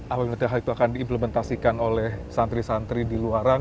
apa menurut anda hal itu akan diimplementasikan oleh santri santri di luaran